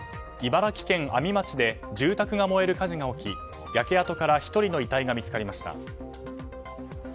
茨城県阿見町で住宅が燃える火事が起き焼け跡から１人の遺体が見つかりました。